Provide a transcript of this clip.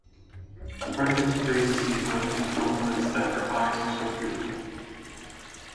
Kartik praises Deepa and compliments that her eyes are so beautiful.